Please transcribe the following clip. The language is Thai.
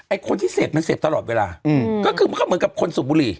คนที่เสพมันเสพตลอดเวลาอืมก็คือมันก็เหมือนกับคนสูบบุหรี่